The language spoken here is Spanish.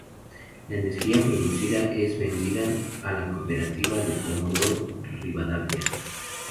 La energía producida es vendida a la Cooperativa de Comodoro Rivadavia.